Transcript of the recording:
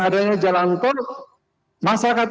adanya jalan tol masyarakat